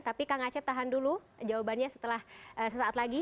tapi kak nacep tahan dulu jawabannya setelah sesaat lagi